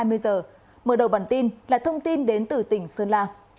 mở đầu bản tin là thông tin đến từ tỉnh sơn la